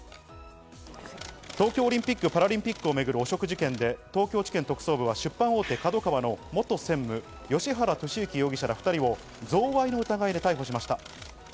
東京オリンピック・パラリンピックを巡る汚職事件で、東京地検特捜部は出版大手ＫＡＤＯＫＡＷＡの元専務・芳原世幸容疑者ら２人を贈賄の疑いで逮捕しました。